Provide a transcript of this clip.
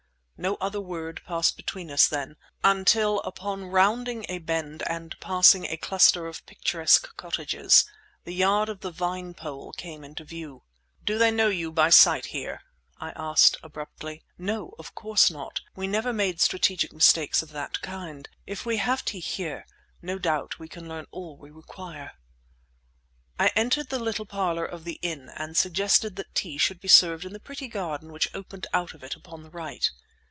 No other word passed between us then, until upon rounding a bend and passing a cluster of picturesque cottages, the yard of the Vinepole came into view. "Do they know you by sight here?" I asked abruptly. "No, of course not; we never made strategic mistakes of that kind. If we have tea here, no doubt we can learn all we require." I entered the little parlour of the inn, and suggested that tea should be served in the pretty garden which opened out of it upon the right.